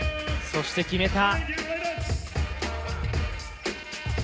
そして決めた。